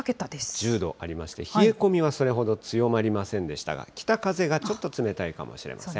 １０度ありまして、冷え込みはそれほど強まりませんでしたが、北風がちょっと冷たいかもしれません。